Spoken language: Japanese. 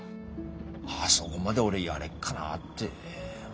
あそこまで俺やれっかなぁって。